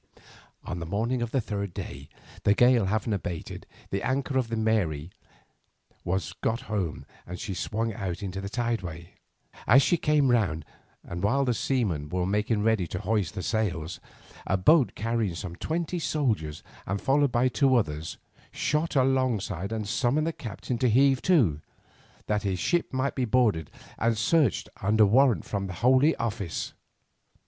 "On the morning of the third day, the gale having abated, the anchor of the 'Mary' was got home and she swung out into the tideway. As she came round and while the seamen were making ready to hoist the sails, a boat carrying some twenty soldiers, and followed by two others, shot alongside and summoned the captain to heave to, that his ship might be boarded and searched under warrant from the Holy Office.